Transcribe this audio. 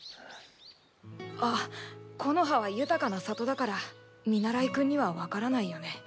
あっ木ノ葉は豊かな里だから見習いくんにはわからないよね。